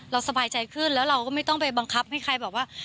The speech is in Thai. สบายใจขึ้นแล้วเราก็ไม่ต้องไปบังคับให้ใครแบบว่า